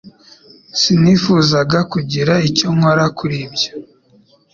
Sinifuzaga kugira icyo nkora kuri byo.